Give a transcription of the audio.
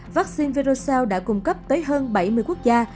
vắc xin verocell đã cung cấp tới hơn bảy mươi quốc gia